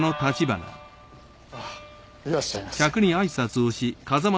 いらっしゃいませ。